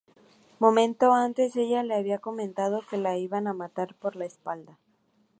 Momento antes ella le había comentado que la iban a matar por la espalda.